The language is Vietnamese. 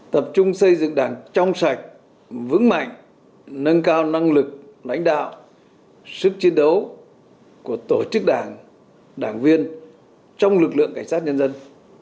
tập trung xây dựng đảng trong sạch vững mạnh nâng cao năng lực lãnh đạo sức chiến đấu của tổ chức đảng đảng viên trong lực lượng cảnh sát nhân dân